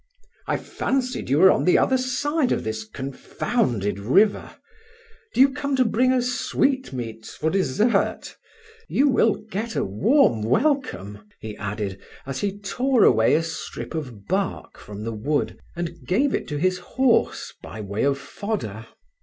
"I fancied you were on the other side of this confounded river. Do you come to bring us sweetmeats for dessert? You will get a warm welcome," he added, as he tore away a strip of bark from the wood and gave it to his horse by way of fodder.